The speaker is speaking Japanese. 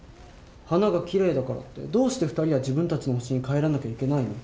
花がキレイだからってどうして２人は自分たちの星に帰らなきゃいけないの？